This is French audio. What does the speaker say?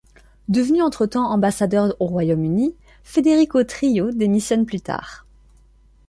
Devenu entretemps ambassadeur au Royaume-Uni, Federico Trillo démissionne plus tard.